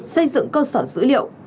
xây dựng cơ sở dữ liệu